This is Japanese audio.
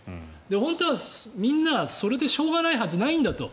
本当はみんなそれでしょうがないはずないんだと。